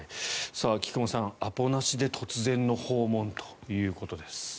菊間さん、アポなしで突然の訪問ということです。